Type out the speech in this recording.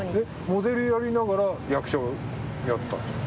モデルやりながら役者をやってたんですか？